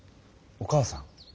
お母さん？